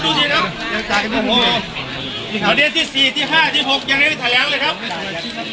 ดูสิครับดูสิครับตอนนี้ที่สี่ที่ห้าที่หกยังไม่ได้ถ่ายแล้ว